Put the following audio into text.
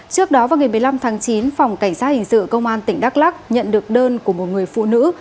trước đó vào ngày một mươi năm tháng chín phòng cảnh sát hình sự công an tỉnh đắk lắc nhận được đơn của một người phụ nữ